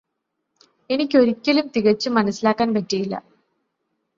എനിക്കു ഒരിക്കലും തികച്ചും മനസ്സിലാക്കാൻ പറ്റിയില്ല